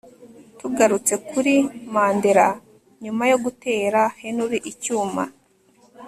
tugarutse kuri Mandela nyuma yo gutera henry icyuma